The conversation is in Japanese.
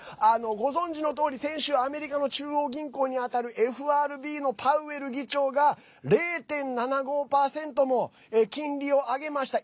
ご存じのとおり、先週アメリカの中央銀行に当たるＦＲＢのパウエル議長が０．７５％も金利を上げました。